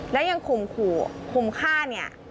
แล้วยังข่มขู่ข่มฆ่าเนี่ย